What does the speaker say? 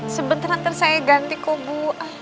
sebentar nanti saya ganti kok bu